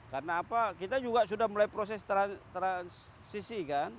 karena kita juga sudah mulai proses transisi kan